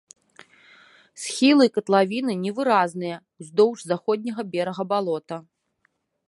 Схілы катлавіны невыразныя, уздоўж заходняга берага балота.